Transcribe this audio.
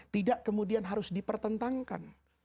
tidak kemudian harus dipertentangkan